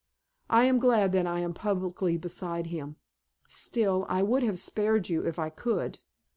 I am glad that I am publicly beside him.... Still, I would have spared you if I could.